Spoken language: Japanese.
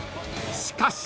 しかし］